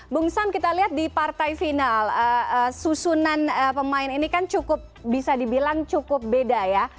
bung sam kita lihat di partai final susunan pemain ini kan cukup bisa dibilang cukup beda ya